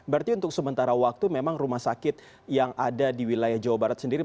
berarti untuk sementara waktu memang rumah sakit yang ada di wilayah jawa barat sendiri